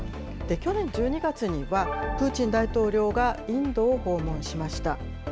去年１２月には、プーチン大統領が、インドを訪問しました。